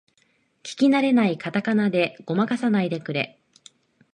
聞きなれないカタカナでごまかさないでくれ